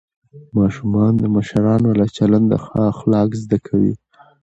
ماشومان د مشرانو له چلنده ښه اخلاق زده کوي